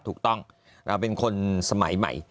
ถูกต้องเราเป็นคนสมัยใหม่